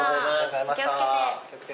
お気を付けて。